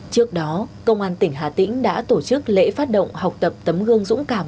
trước đó công an tỉnh hà tĩnh đã tổ chức lễ phát động học tập tấm gương dũng cảm